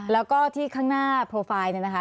แล้วก็ที่ข้างหน้าโปรไฟล์เนี่ยนะคะ